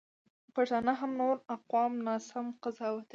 پښتانه هم نور اقوام ناسم قضاوتوي.